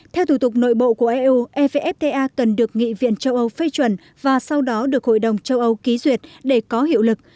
theo thủ tục nội bộ của eu evfta cần được nghị viện châu âu phê chuẩn và sau đó được hội đồng châu âu ký duyệt để có hiệu lực